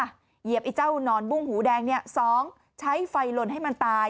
เหยียบไอ้เจ้านอนบุ้งหูแดงเนี่ย๒ใช้ไฟลนให้มันตาย